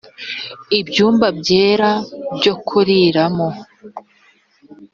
ibyumba byera byo kuriramo